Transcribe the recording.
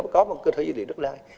mà có một cơ sở dữ liệu đất đai